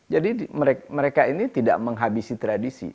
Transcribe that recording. jadi mereka ini tidak menghabisi tradisi